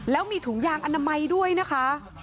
แล้วมีถุงยางอนามัยด้วยนะคะ